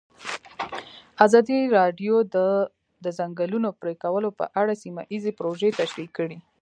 ازادي راډیو د د ځنګلونو پرېکول په اړه سیمه ییزې پروژې تشریح کړې.